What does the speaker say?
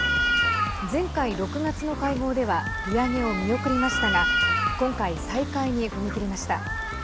前回、６月の会合では利上げを見送りましたが今回、再開に踏み切りました。